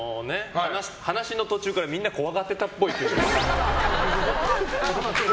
話の途中からみんな怖がってたっぽいって。